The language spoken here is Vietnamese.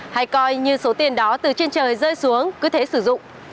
hay coi như số tiền đó từ trên trời rơi xuống cứ thế sử dụng